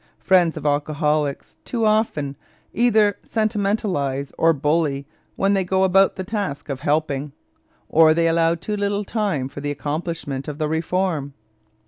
Friends of alcoholics too often either sentimentalize or bully when they go about the task of helping, or they allow too little time for the accomplishment of the reform.